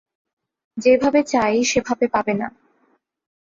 যেভাবে চায় সেভাবে পাবে না।